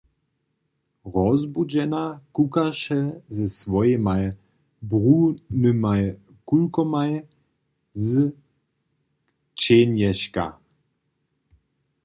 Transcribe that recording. Rozbudźena kukaše ze swojimaj brunymaj kulkomaj z kćenješka.